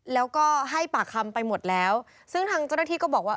แล้วก็ให้ปากคำไปหมดแล้วซึ่งทางเจ้าหน้าที่ก็บอกว่า